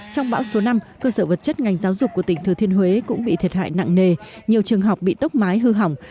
trong bão số năm cơ sở vật chất ngành giáo dục của tỉnh thừa thiên huế cũng bị thiệt hại nặng nề nhiều trường học bị tốc mái hư hỏng